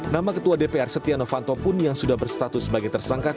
nama ketua dpr setia novanto pun yang sudah berstatus sebagai tersangka